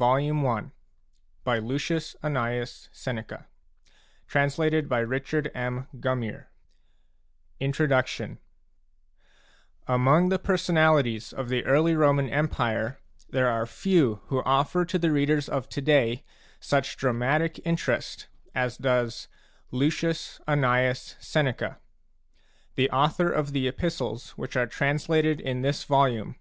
ON THE FIRST CAUSE .... 444 INDEX 46 1 b V Digitized by Digitized by Google INTRODUCTION Among the personalities of the early Roman Empire there are few who ofFer to the readers of to day such dramatic interest as does Lucius Annaeus Seneca, the author of the Epistles which are translated in this volume.